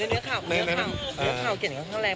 แต่เนื้อข่าวเดี๋ยวเนื้อข่าวเกี่ยวกันกระทางแรก